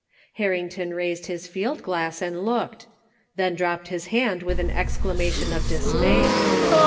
Harrington raised his field glass! and looked ; then dropped his hand with an exclamation of dismay.